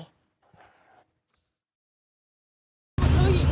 ผู้หญิงคนเดียวครับ